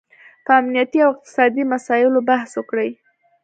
په امنیتي او اقتصادي مساییلو بحث وکړي